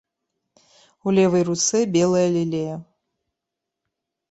У левай руцэ белая лілея.